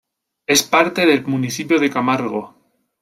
Es parte del municipio de Camargo.